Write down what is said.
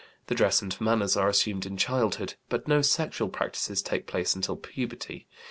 The dress and manners are assumed in childhood, but no sexual practices take place until puberty.